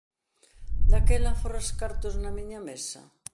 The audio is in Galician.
Daquela aforras cartos na miña mesa?